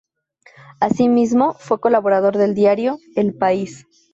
Asimismo, fue colaborador del diario "El País".